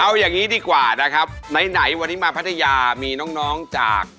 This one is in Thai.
เอาอย่างนี้ดีกว่านะครับไหนวันนี้มาพัทยามีน้องจาก